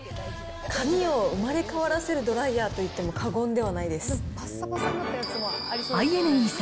髪を生まれ変わらせるドライヤーと言っても過言ではないです。